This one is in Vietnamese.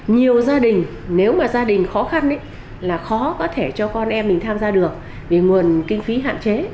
nhiều gia đình nếu mà gia đình khó khăn là khó có thể cho con em mình tham gia được vì nguồn kinh phí hạn chế